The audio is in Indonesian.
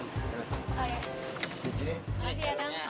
makasih ya nang